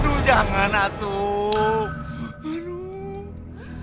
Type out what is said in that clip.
aduh jangan atuh